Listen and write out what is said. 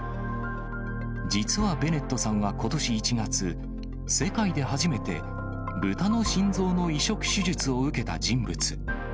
実はベネットさんはことし１月、世界で初めて、ブタの心臓の移植手術を受けた人物。